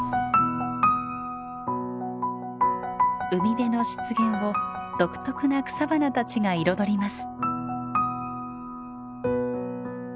海辺の湿原を独特な草花たちが彩ります。